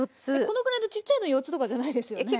このくらいのちっちゃいの４つとかじゃないですよね？